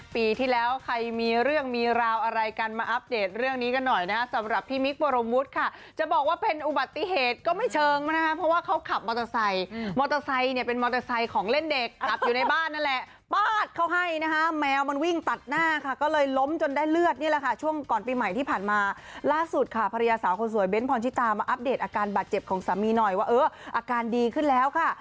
ปีที่แล้วใครมีเรื่องมีราวอะไรกันมาอัปเดตเรื่องนี้กันหน่อยนะสำหรับพี่มิ๊กบรมวุฒิค่ะจะบอกว่าเป็นอุบัติเหตุก็ไม่เชิงนะครับเพราะว่าเขาขับมอเตอร์ไซค์มอเตอร์ไซค์เนี่ยเป็นมอเตอร์ไซค์ของเล่นเด็กขับอยู่ในบ้านนั่นแหละป้าดเขาให้นะฮะแมวมันวิ่งตัดหน้าค่ะก็เลยล้มจนได้เลือดนี่แหละค